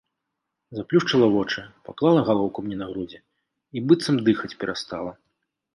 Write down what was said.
Заплюшчыла вочы, паклала галоўку мне на грудзі і быццам дыхаць перастала.